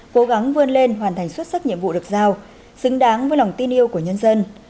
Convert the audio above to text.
cố gắng vươn lên hoàn thành xuất sắc nhiệm vụ được giao xứng đáng với lòng tin yêu của nhân dân